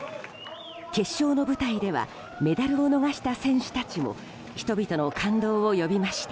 決勝の舞台ではメダルを逃した選手たちも人々の感動を呼びました。